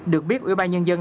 được biết ủy ba nhân dân